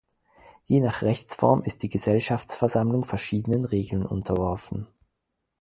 Je nach Rechtsform ist die Gesellschafterversammlung verschiedenen Regeln unterworfen.